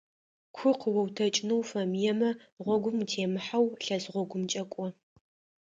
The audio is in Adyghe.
Ку къыоутэкӏынэу уфэмыемэ гъогум утемыхьэу лъэс гъогумкӏэ кӏо.